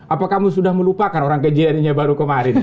apa kamu sudah melupakan orang kejadiannya baru kemarin